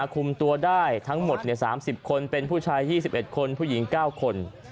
คุมตัวได้ทั้งหมด๓๐คนเป็นผู้ชาย๒๑คนผู้หญิง๙คน